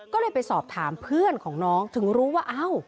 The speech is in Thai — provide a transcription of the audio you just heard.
ก็เลยไปสอบถามเพื่อนของน้องถึงรู้ว่าเอ้า